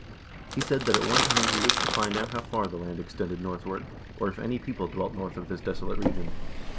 He said that at one time he wished to find out how far the land extended northward, or if any people dwelt north of this desolate region.